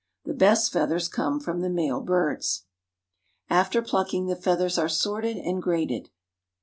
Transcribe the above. . The best feathers come from the male birds. After plucking, the feathers are sorted and graded.